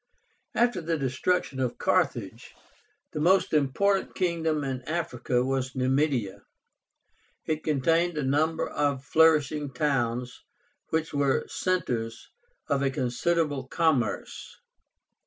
After the destruction of Carthage, the most important kingdom in Africa was NUMIDIA. It contained a number of flourishing towns, which were centres of a considerable commerce.